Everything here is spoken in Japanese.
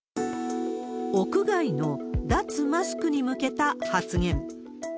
屋外の脱マスクに向けた発言。